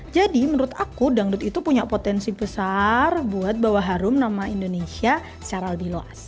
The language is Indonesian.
jadi menurut aku dangdut itu punya potensi besar buat bawa harum nama indonesia secara lebih luas